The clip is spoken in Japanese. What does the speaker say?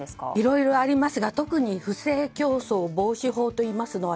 いろいろありますが特に不正競争防止法違反といいます